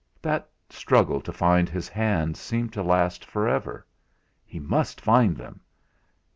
That struggle to find his hands seemed to last for ever he must find them!